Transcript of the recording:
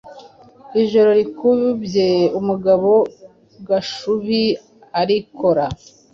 Ijoro rikubye, umugabo Gashubi arikora,